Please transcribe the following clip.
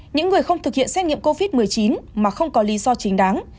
những người không thực hiện xét nghiệm covid một mươi chín mà không có lý do chính đáng